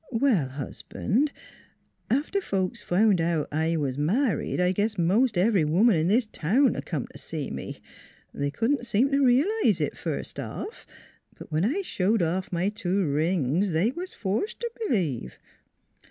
Well, Husband, after folks found out I was married I guess most every woman in this town come to see me. They could not seem to realize it, first off. But when I showed off my two rings they was forced to believe.